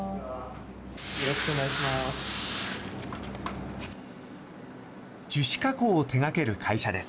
よろしくお願いします。